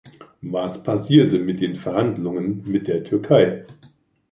Was passierte mit den Verhandlungen mit der Türkei?